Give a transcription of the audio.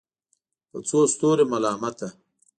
په څو ستورو ملامته